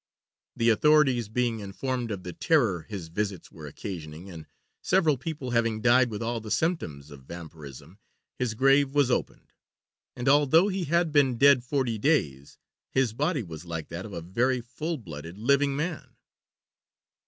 The authorities being informed of the terror his visits were occasioning, and several people having died with all the symptoms of vampirism, his grave was opened; and although he had been dead forty days his body was like that of a very full blooded, living man.